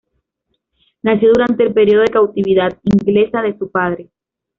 Nació durante el período de "cautividad" inglesa de su padre.